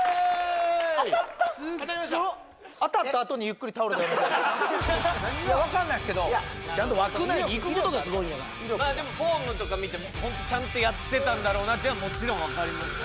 当たったあとにゆっくり倒れたわかんないですけどちゃんと枠内にいくことがすごいんじゃないでもフォームとか見てもちゃんとやってたんだろうなってもちろんわかりました